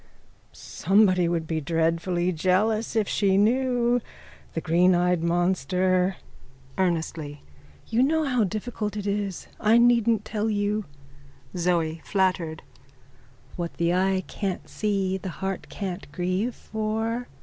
_ Somebody would be dreadfully jealous if she knew. The greeneyed monster. (Earnestly.) You know how difficult it is. I needn't tell you. ZOE: (Flattered.) What the eye can't see the heart can't grieve for.